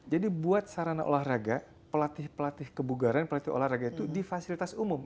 jadi buat sarana olahraga pelatih pelatih kebugaran pelatih olahraga itu di fasilitas umum